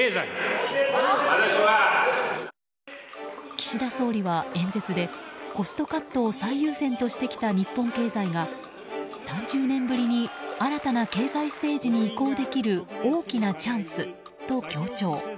岸田総理は演説でコストカットを最優先としてきた日本経済が３０年ぶりに新たな経済ステージに移行できる大きなチャンスと強調。